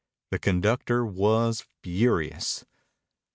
The conductor was furious.